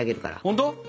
本当？